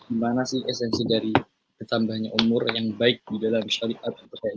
gimana sih esensi dari bertambahnya umur yang baik di dalam syarikat